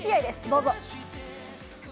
どうぞ。